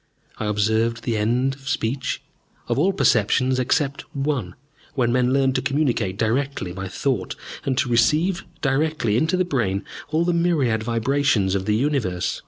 I observed the end of speech, of all perceptions except one, when men learned to communicate directly by thought, and to receive directly into the brain all the myriad vibrations of the universe.